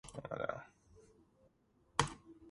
გაცვლის შედეგად შვედი როკეტსს შეუერთდა.